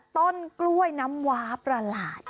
ต้นกล้วยน้ำว้าประหลาด